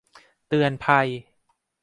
เตือนภัย